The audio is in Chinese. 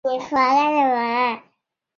张路寮又掌路寮。